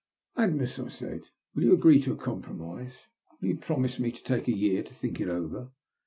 Agnes," I said, will you agree to a compromise 7 Will you promise me to take a year to think it over?